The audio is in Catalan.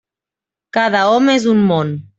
Cada home és un món.